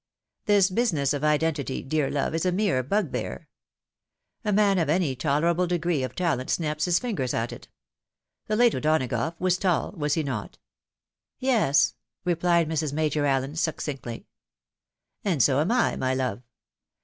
This business of identity, dear love, is a mere bugbear. A man of any tolerable degree of talent snaps his fingers at it. The late O'Donagough was tall, was he not?" " Yes," replied Mrs. Major AUen, succinctly. " And so am I, my love.